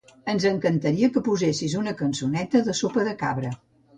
Ens encantaria que posessis una cançoneta de Sopa de Cabra.